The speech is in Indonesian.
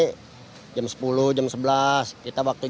kadang kan jam jam orang orang yang belanja tuh biasanya rame